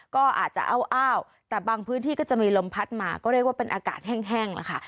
ก็อาจจะอ้าวแต่บางพื้นที่ก็จะมีลมพัดมาก็เรียกว่าเป็นอากาศแห้งแล้วค่ะ